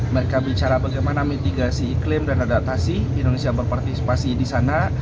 mereka bicara bagaimana mitigasi iklim dan adaptasi indonesia berpartisipasi di sana